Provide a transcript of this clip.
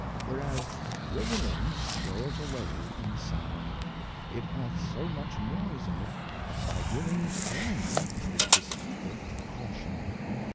Whereas railing goeth away in sound ; it hath so much noise in it, that by giving warning it bespeaketh Caution.